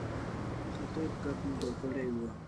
ښه تود ګپ مو جوړ کړی و.